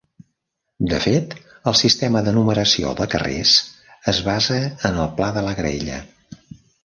De fet, el sistema de numeració de carrers es basa en el pla de la graella.